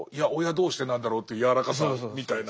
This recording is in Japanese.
どうしてなんだろうというやわらかさみたいな。